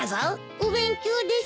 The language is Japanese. お勉強ですか？